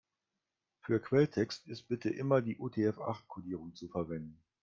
Für Quelltext ist bitte immer die UTF-acht-Kodierung zu verwenden.